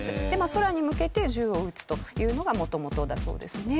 空に向けて銃を撃つというのが元々だそうですね。